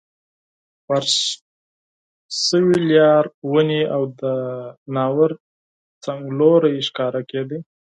فرش شوي لار، ونې، او د جهیل څنګلوری ښکارېد.